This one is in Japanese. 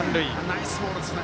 ナイスボールですね。